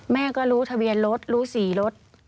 แม่ก็รู้ทะเบียนรถรู้๔รถ